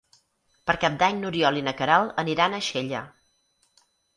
Per Cap d'Any n'Oriol i na Queralt aniran a Xella.